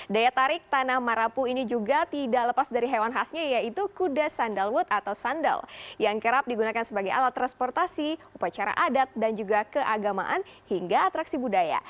daya tarik tanah marapu ini juga tidak lepas dari hewan khasnya yaitu kuda sandalwood atau sandal yang kerap digunakan sebagai alat transportasi upacara adat dan juga keagamaan hingga atraksi budaya